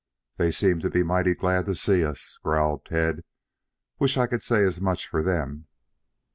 "They seem to be mighty glad to see us," growled Tad. "Wish I could say as much for them."